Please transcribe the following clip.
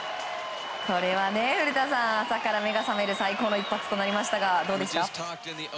これは、古田さん朝から目が覚める最高の一発となりましたがどうでした？